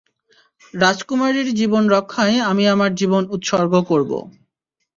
রাজকুমারীর জীবন রক্ষায় আমি আমার জীবন উৎসর্গ করব!